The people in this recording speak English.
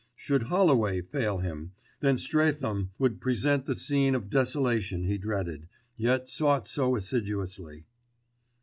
Should Holloway fail him, then Streatham would present the scene of desolation he dreaded, yet sought so assiduously.